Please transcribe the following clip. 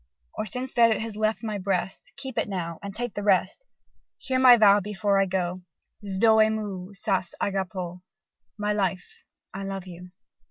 Or, since that has left my breast, Keep it now, and take the rest! Hear my vow before I go. Zöe mou, sas agapo. (My life, I love you!)